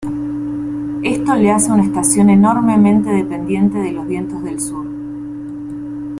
Esto le hace una estación enormemente dependiente de los vientos del sur.